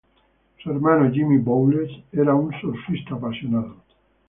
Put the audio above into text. Su hermano, Jimmy Bowles, era un surfista apasionado.